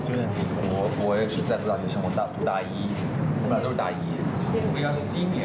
อืมรู้ไหมว่าดังมากเลยตอนนี้